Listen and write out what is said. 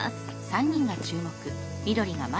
「３人が注目」。